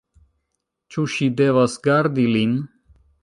Ĉu ŝi devas gardi lin?